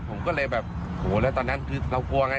ผมก็เลยแบบโหแล้วตอนนั้นคือเรากลัวไง